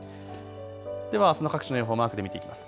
ではあすの各地の予報、マークで見ていきます。